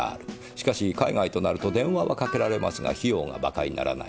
しかし海外となると電話はかけられますが費用がバカにならない。